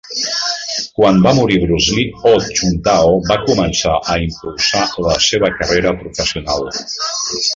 Quan va morir Bruce Lee, Ho Chung-tao va començar a impulsar la seva carrera professional.